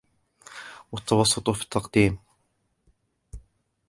وَالتَّوَسُّطِ فِي التَّقْدِيمِ